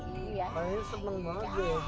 selama ini senang banget